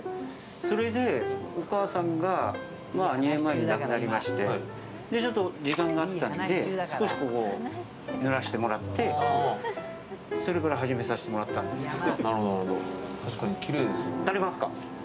それで、お母さんが２年前に亡くなりましてちょっと時間があったんで、少しここを塗らしてもらってそれから始めさせてもらったんですけど。